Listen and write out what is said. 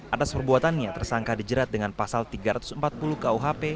atas perbuatannya tersangka dijerat dengan pasal tiga ratus empat puluh kuhp